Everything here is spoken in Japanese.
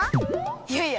いやいや！